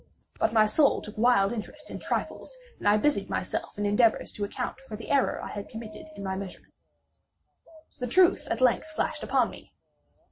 But my soul took a wild interest in trifles, and I busied myself in endeavors to account for the error I had committed in my measurement. The truth at length flashed upon me.